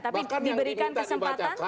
tapi diberikan kesempatan